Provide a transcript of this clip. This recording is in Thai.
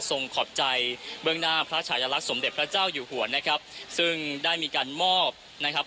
ขอบใจเบื้องหน้าพระชายลักษณ์สมเด็จพระเจ้าอยู่หัวนะครับซึ่งได้มีการมอบนะครับ